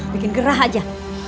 bikin gerah aja